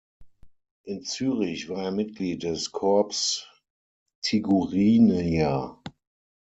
In Zürich war er Mitglied des Corps Tigurinia.